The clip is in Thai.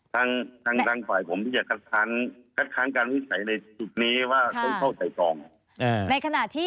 ทางฝ่ายผมจะคัดค้างการวิสัยในสุขนี้ว่าเข้าไต่ตรอง